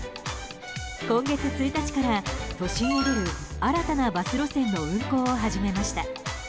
今月１日から都心へ出る新たなバス路線の運行を始めました。